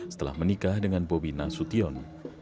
setelah menikah dengan bobi nasution